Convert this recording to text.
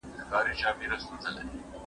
یو ارغند به وي سوځلی زر یې نور باغونه هم سته